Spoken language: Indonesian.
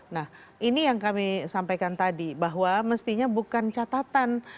nah ini yang kami sampaikan tadi bahwa mestinya bukan catatan